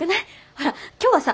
ほら今日はさ